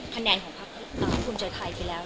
คะแนนของพักธรรมภูมิใจไทยไปแล้วด้วยอ่ะ